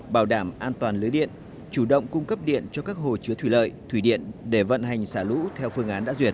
bảo đảm an toàn lưới điện chủ động cung cấp điện cho các hồ chứa thủy lợi thủy điện để vận hành xả lũ theo phương án đã duyệt